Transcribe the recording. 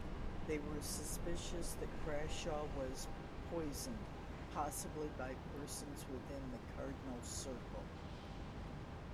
There were suspicions that Crashaw was poisoned, possibly by persons within the Cardinal's circle.